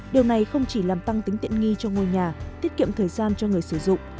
điều này không chỉ làm tăng tính tiện nghi cho ngôi nhà tiết kiệm thời gian cho người sử dụng